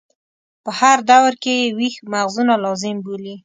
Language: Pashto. په هر دور کې یې ویښ مغزونه لازم بولي.